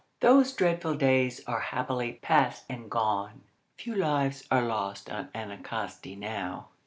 Those dreadful days are happily past and gone. Few lives are lost on Anticosti now.